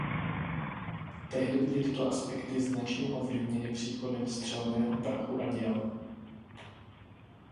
Tehdy byly tyto aspekty značně ovlivněny příchodem střelného prachu a děl.